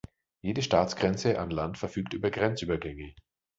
Jede Staatsgrenze an Land verfügt über Grenzübergänge.